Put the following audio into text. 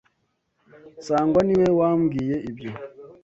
Sangwa niwe wambwiye ibyo.